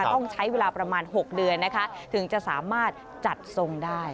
ต้องใช้เวลาประมาณ๖เดือนนะคะถึงจะสามารถจัดทรงได้